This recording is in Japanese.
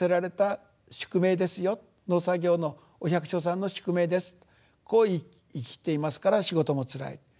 農作業のお百姓さんの宿命ですとこう言い切っていますから仕事もつらい。